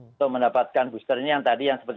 untuk mendapatkan booster ini yang tadi yang seperti